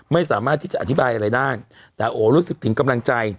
ไม่สามารถที่จะอธิบายอะไรได้แต่โอรู้สึกถึงกำลังใจ